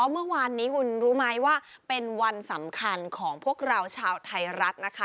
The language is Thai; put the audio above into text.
เมื่อวานนี้คุณรู้ไหมว่าเป็นวันสำคัญของพวกเราชาวไทยรัฐนะคะ